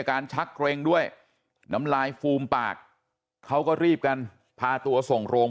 ชักเกร็งด้วยน้ำลายฟูมปากเขาก็รีบกันพาตัวส่งโรง